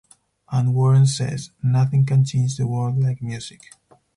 And Warren says "nothing can change the world like music".